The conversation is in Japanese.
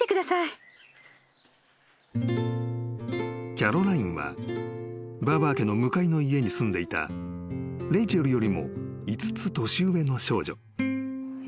［キャロラインはバーバー家の向かいの家に住んでいたレイチェルよりも５つ年上の少女］